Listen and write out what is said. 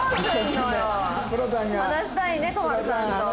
話したいね都丸さんと。